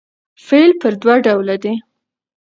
فعل پر دوه ډوله دئ.